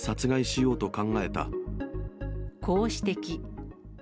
こう指摘。